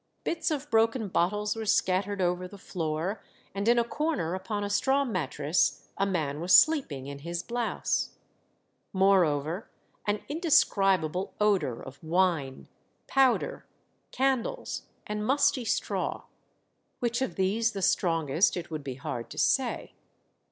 Bits of broken bottles were scattered over the floor, and in a corner, upon a straw mattress, a man was sleeping in his blouse. Moreover, an indescribable odor of wine, powder, candles, and musty straw ; which of these the strongest, it would be hard to say.